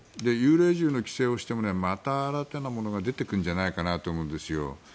幽霊銃の規制をしてもまた新たなものが出てくるんじゃないかなと思うんですよ。